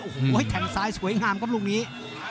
โอ้โหแทงสายสวยงามกับลูกนี้